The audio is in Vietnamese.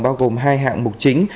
bao gồm hai hạng mục chính